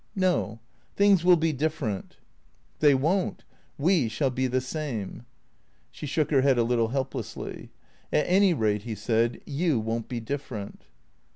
" No. Things will be different." " They won't. We shall be the same." She shook her head a little helplessly. " At any rate," he said, " you won't be different."